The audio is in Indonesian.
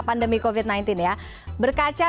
pandemi covid sembilan belas ya berkaca